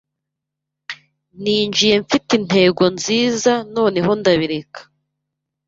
Ninjiye mfite intego nziza noneho ndabireka